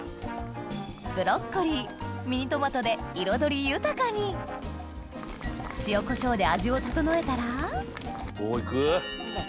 ブロッコリーミニトマトで彩り豊かに塩コショウで味を調えたら行く？